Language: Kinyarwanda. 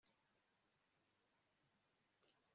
hashize imyaka cumi n'umunani nibwo bwambere twahuye